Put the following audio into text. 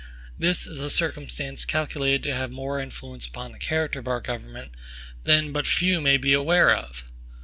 This is a circumstance calculated to have more influence upon the character of our governments, than but few may be aware of.